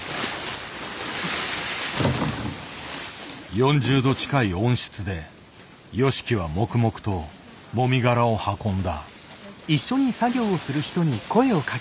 ４０度近い温室でＹＯＳＨＩＫＩは黙々ともみ殻を運んだ。